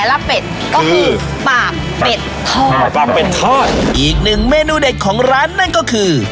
ลาเบ็ดก็คือปากเป็ดทอดอีกหนึ่งเมนูเด็ดของร้านนั่นก็คือ